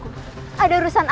kepada ketiga dukun santri